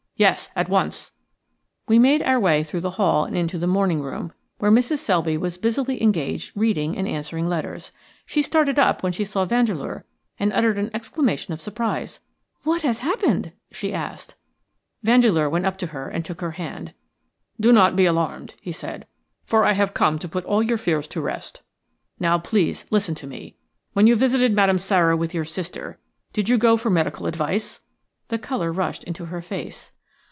"Yes; at once." We made our way through the hall and into the morning room, where Mrs. Selby was busily engaged reading and answering letters. She started up when she saw Vandeleur and uttered an exclamation of surprise. "What has happened?" she asked. Vandeleur went up to her and took her hand. "Do not be alarmed," he said, "for I have come to put all your fears to rest. Now, please, listen to me. When you visited Madame Sara with your sister, did you go for medical advice?" The colour rushed into her face.